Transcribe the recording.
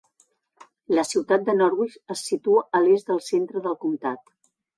La ciutat de Norwich es situa a l'est del centre del comtat.